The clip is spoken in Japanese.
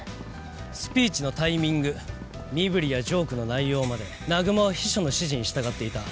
スピーチのタイミング身ぶりやジョークの内容まで南雲は秘書の指示に従っていた。